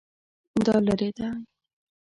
دا لیرې دی؟